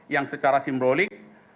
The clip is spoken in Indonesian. yang secara simbolik